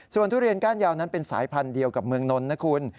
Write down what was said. ส่วนทุเรียนก้านยาวนั้นเป็นสายพันธุ์เดียวกับเมืองนนท์นะคุณ